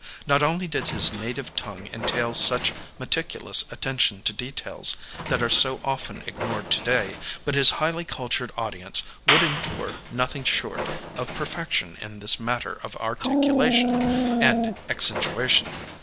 Not only did his native tongue entail such meticulous attention to details that are so often ignored to day, but his highly cultured audience would endure noth ing short of perfection in this matter of articulation and accentuation.